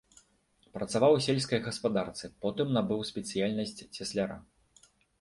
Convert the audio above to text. Працаваў у сельскай гаспадарцы, потым набыў спецыяльнасць цесляра.